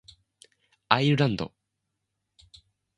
アイルランド